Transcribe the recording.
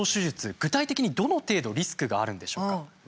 具体的にどの程度リスクがあるんでしょうか？